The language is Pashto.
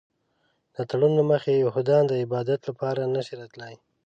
د تړون له مخې یهودان د عبادت لپاره نه شي راتلی.